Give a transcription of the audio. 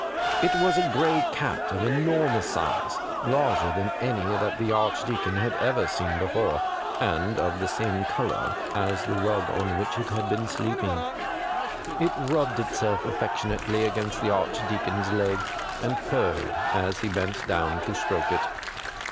It was a gray cat of enormous size, lai ger than any that the Archdeacon had ever seen before, and of the same colour as the rug on which it had been sleep ing. It rubbed itself affectionately against the Archdeacon's leg, and purred as he bent down to stroke it.